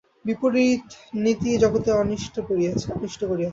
বিপরীত নীতিই জগতের অনিষ্ট করিয়াছে।